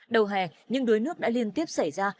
đầu hè những đuối nước đã liên tiếp xảy ra